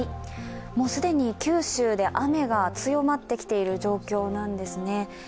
もう既に九州で雨が強まってきている状況なんですね。